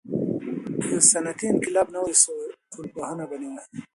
که صنعتي انقلاب نه وای سوی، ټولنپوهنه به نه وای.